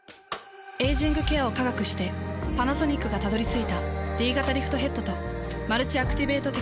エイジングケアを科学してパナソニックがたどり着いたＤ型リフトヘッドとマルチアクティベートテクノロジー。